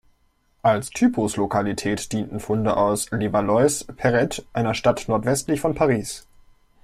Als Typuslokalität dienten Funde aus Levallois-Perret, einer Stadt nordwestlich von Paris.